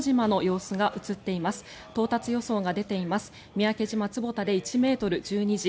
三宅島・坪田で１ｍ、１２時。